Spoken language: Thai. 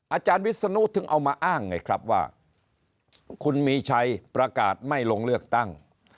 อาจารย์วิศนุถึงเอามาอ้างไงครับว่าคุณมีชัยประกาศไม่ลงเลือกตั้ง